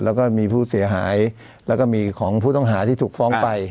แล้วก็มีผู้เสียหายแล้วก็มีของผู้ต้องหาที่ถูกฟ้องไป